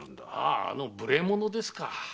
あああの無礼者ですか。